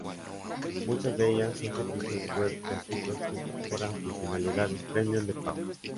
Muchas de ellas, son servicios web gratuitos que incorporan funcionalidades "premium" de pago.